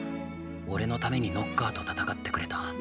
おれのためにノッカーと戦ってくれた。